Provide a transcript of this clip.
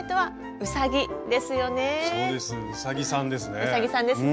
うさぎさんですね。